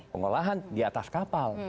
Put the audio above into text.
pengolahan di atas kapal